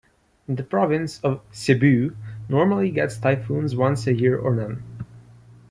The province of Cebu normally gets typhoons once a year or none.